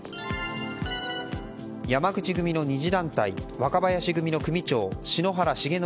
山口組の２次団体若林組の組長篠原重則